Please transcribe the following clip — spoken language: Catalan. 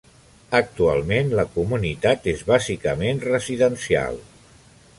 Actualment, la comunitat és bàsicament residencial.